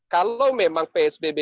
kalau memang psbb